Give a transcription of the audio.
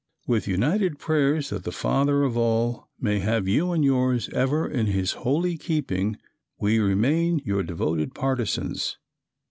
"With united prayers that the Father of all may have you and yours ever in His holy keeping, we remain your devoted partisans."